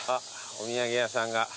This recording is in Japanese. お土産屋さんが。